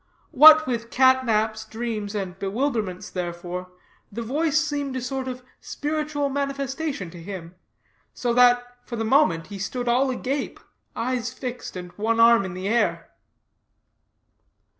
What with cat naps, dreams, and bewilderments, therefore, the voice seemed a sort of spiritual manifestation to him; so that, for the moment, he stood all agape, eyes fixed, and one arm in the air.